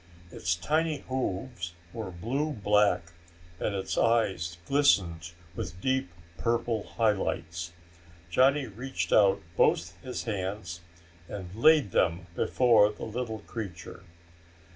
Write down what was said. Its tiny hooves were blue black, and its eyes glistened with deep purple highlights. Johnny reached out both his hands and laid them before the little creature.